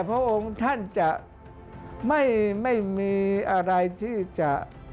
พระองค์ท่านจะไม่มีอะไรที่จะ